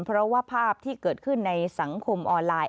เพราะว่าภาพที่เกิดขึ้นในสังคมออนไลน์